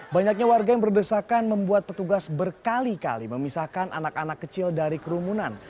banyaknya warga yang berdesakan membuat petugas berkali kali memisahkan anak anak kecil dari kerumunan